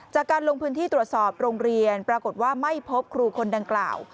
จากการลงพื้นที่ตรวจสอบโรงเรียนปรากฏว่าไม่พบครูคนดังกล่าว